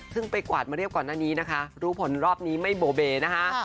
ซึ่งไปกวาดมาเรียบก่อนหน้านี้นะคะรู้ผลรอบนี้ไม่โบเบนะคะ